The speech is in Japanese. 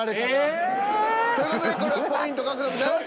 ええっ！？という事でこれはポイント獲得ならず。